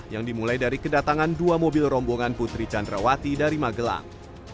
yang dimulai dari kedatangan dua mobil rombongan putri candrawati dari magelang